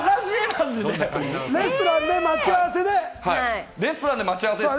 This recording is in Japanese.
レストランで待ち合わせですね。